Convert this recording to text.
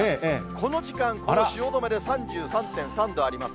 この時間、この汐留で３３．３度あります。